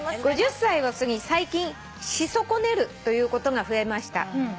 ５０歳を過ぎ最近し損ねるということが増えました」